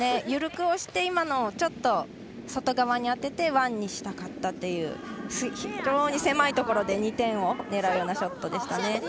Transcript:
緩く押して、今のはちょっと外側に当ててワンにしたかったという非常に狭いところで２点を狙うようなショットでしたね。